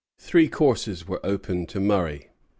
Three courses were open to Murray.